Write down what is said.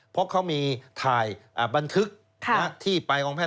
เพราะเขามีถ่ายบันทึกที่ไปของแพท